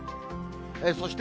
そして、